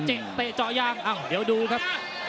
เตะเจาะยางอ้าวเดี๋ยวดูครับ